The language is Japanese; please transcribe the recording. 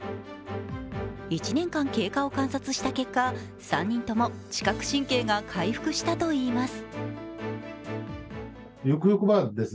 １年間経過を観察した結果、３人とも知覚神経が回復したといいます。